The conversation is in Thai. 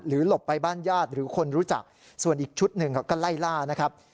หลบไปบ้านญาติหรือคนรู้จักส่วนอีกชุดหนึ่งเขาก็ไล่ล่านะครับ